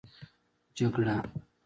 جگړه